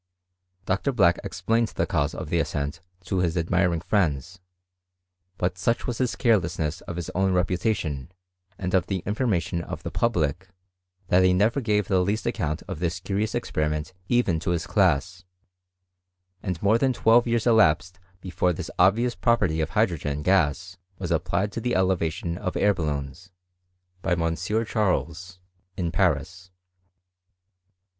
Dr. Black explained the cause of the ascent to his admiring friends ; but such was his carelessness of his own reputation, and of the information of the pub lic, that he never gave the least account of this curious experiment even to his class ; and more than twelve years elapsed before this obvious property of hydrogen gas was applied to the elevation of air balloons, by M. Charles, in Paris.